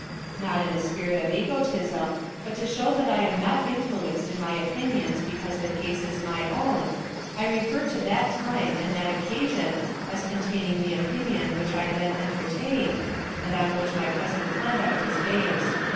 Not in a spirit of egotism, but to show that I am not influenced in my opinions because the case is my own, I refer to that time and that occasion as containing the opinion which I then entertained, and on which my present conduct is based.